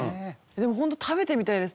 ホント食べてみたいです。